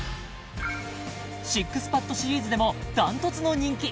ＳＩＸＰＡＤシリーズでもダントツの人気